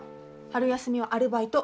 春休みはアルバイト。